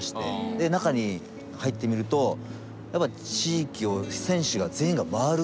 で中に入ってみるとやっぱり地域を選手が全員が回るんですよね。